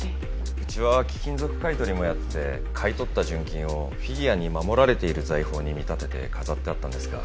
うちは貴金属買い取りもやってて買い取った純金をフィギュアに守られている財宝に見立てて飾ってあったんですが。